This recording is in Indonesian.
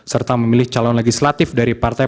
serta memilih calon legislatif dari partai